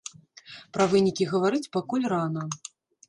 Пра вынікі гаварыць пакуль рана.